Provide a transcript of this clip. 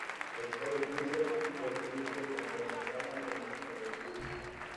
Scott Weinberg fue crítico tanto con la trama como con la actriz.